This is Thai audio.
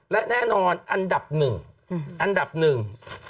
และแน่นอนอันดับหนึ่ง